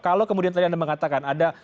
kalau kemudian tadi anda mengatakan ada